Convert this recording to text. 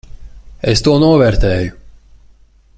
Es to novērtēju.